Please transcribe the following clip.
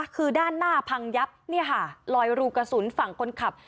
คือด้านหน้าพังยับเนี่ยค่ะลอยรูกระสุนฝั่งคนขับ